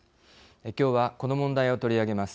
きょうはこの問題をとりあげます。